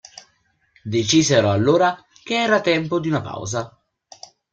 Decisero allora che era tempo di una pausa.